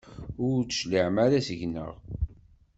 Ur d-tecliɛem ara seg-neɣ.